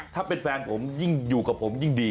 ถ้าเป็นแฟนผมยิ่งอยู่กับผมยิ่งดี